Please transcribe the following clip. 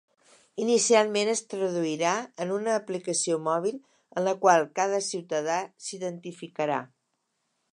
Inicialment es traduirà en una aplicació mòbil en la qual cada ciutadà s’identificarà.